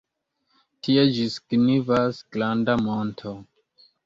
Tie ĝi signifas "granda monto".